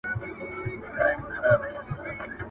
دا جملې د دې کيسې په اړه يو بشپړ انځور وړاندې کوي.